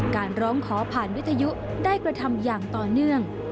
การร้องขอผ่านวิทยุได้กระทำอย่างต่อเนื่อง